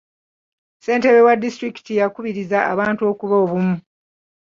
Ssentebe wa disitulikiti yakubirizza abantu okuba obumu.